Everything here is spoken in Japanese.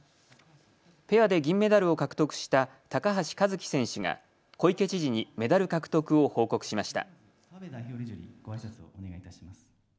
ペアで銀メダルを獲得した高橋和樹選手が小池知事にメダル獲得を報告しました。